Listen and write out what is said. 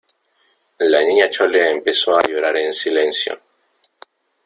la Niña Chole empezó a llorar en silencio,